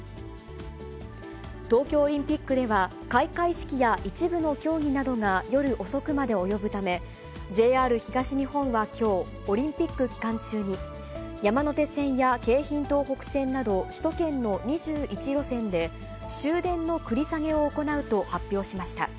東京オリンピックでは、開会式や一部の競技などが夜遅くまで及ぶため、ＪＲ東日本はきょう、オリンピック期間中に、山手線や京浜東北線など、首都圏の２１路線で、終電の繰り下げを行うと発表しました。